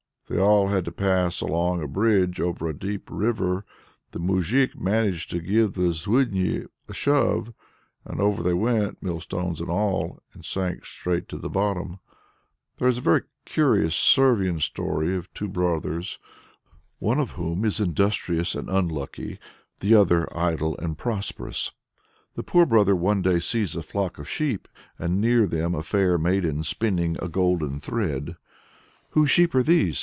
They all had to pass along a bridge over a deep river; the moujik managed to give the Zluidni a shove, and over they went, mill stones and all, and sank straight to the bottom. There is a very curious Servian story of two brothers, one of whom is industrious and unlucky, and the other idle and prosperous. The poor brother one day sees a flock of sheep, and near them a fair maiden spinning a golden thread. "Whose sheep are these?"